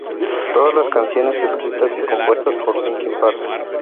Todas las canciones escritas y compuestas por Linkin Park.